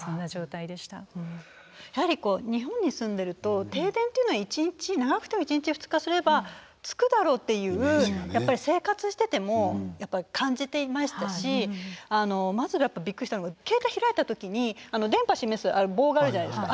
やはりこう日本に住んでると停電っていうのは長くても１日２日すればつくだろうっていうやっぱり生活してても感じていましたしまずやっぱびっくりしたのが携帯開いた時に電波示す棒があるじゃないですか